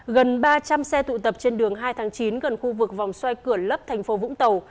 gần ba trăm linh xe tụ tập trên đường hai tháng chín gần khu vực vòng xoay cửa lấp thành phố vũng tàu